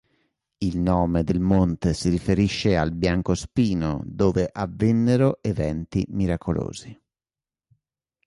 Il nome del monte si riferisce al biancospino dove avvennero eventi miracolosi.